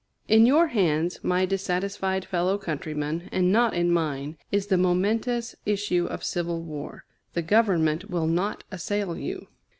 In your hands, my dissatisfied fellow countrymen, and not in mine, is the momentous issue of civil war. The Government will not assail you.